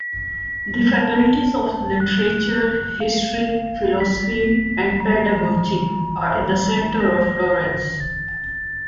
The Faculties of Literature, History, Philosophy, and Pedagogy are in the centre of Florence.